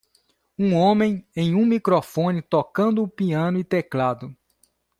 Um homem em um microfone tocando um piano e teclado.